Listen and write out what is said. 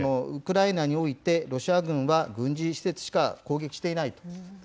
ウクライナにおいて、ロシア軍は軍事施設しか攻撃していないと。